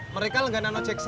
mereka lenganan ojek sama